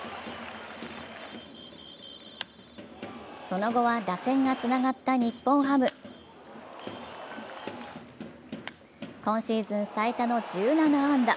その後は打線がつながった日本ハム。今シーズン最多の１７安打。